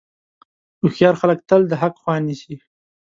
هوښیار خلک تل د حق خوا نیسي.